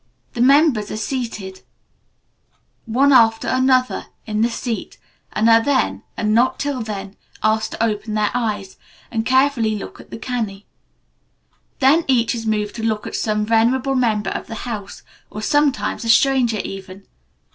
The members are seated, one after another, in the seat, and are then, and not till then, asked to open their eyes, and carefully look at the kani. Then each is made to look at some venerable member of the house, or sometimes a stranger even.